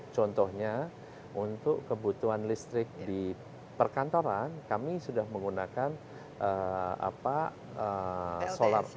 contohnya untuk kebutuhan listrik di perkantoran kami sudah menggunakan solar